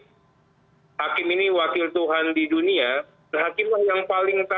karena hakim ini wakil tuhan di dunia